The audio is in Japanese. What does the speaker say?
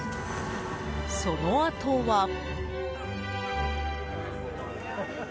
そのあとは。